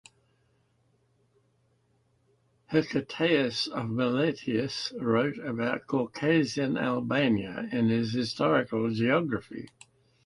Hecataeus of Miletus wrote about Caucasian Albania in his "Historical Geography".